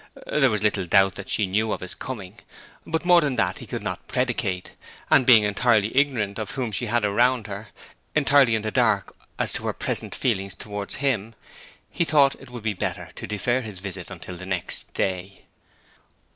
There was little doubt that she knew of his coming; but more than that he could not predicate; and being entirely ignorant of whom she had around her, entirely in the dark as to her present feelings towards him, he thought it would be better to defer his visit until the next day.